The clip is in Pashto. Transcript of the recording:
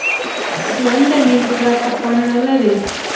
ژوند د میني پرته خوند نه لري.